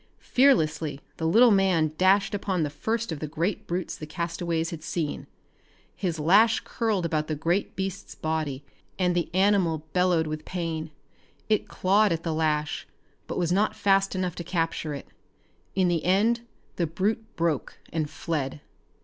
Fearlessly the little man dashed upon the first of the great brutes the castaways had seen. His lash curled about the great beast's body, and the animal bellowed with pain. It clawed at the lash, but was not fast enough to capture it. In the end the brute broke and fled.